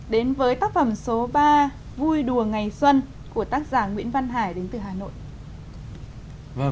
đến với tác phẩm số ba vui đùa ngày xuân của tác giả nguyễn văn hải đến từ hà nội